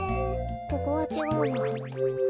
ここはちがうわ。